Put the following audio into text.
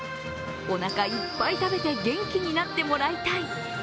おなかいっぱい食べて元気になってもらいたい。